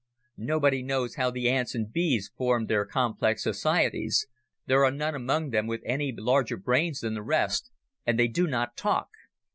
Nobody knows how the ants and bees formed their complex societies there are none among them with any larger brains than the rest, and they do not talk.